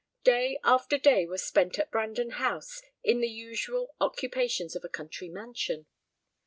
Day after day was spent at Brandon House in the usual occupations of a country mansion.